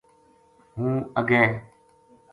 ہوں اگے